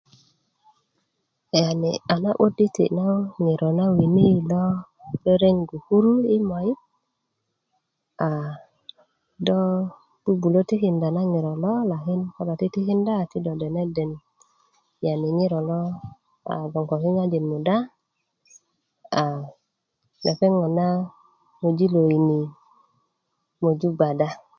yani a na 'but i tiki na ŋiro na wini lo reregu kuru i moyit a do bubulö tikinda na ŋiro lo lakin ko do titikinda ti do deneden yani ŋiro lo yani gboŋ ko kikaŋjin muda a lepeŋ ŋona moju lo wini moju gbada